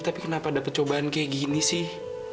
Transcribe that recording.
tapi kenapa ada percobaan kayak gini sih